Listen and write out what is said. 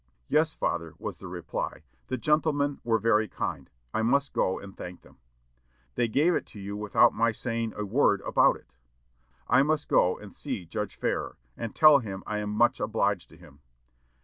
"Yes, father," was the reply, "the gentlemen were very kind; I must go and thank them." "They gave it to you without my saying a word about it." "I must go and see Judge Farrar, and tell him I am much obliged to him."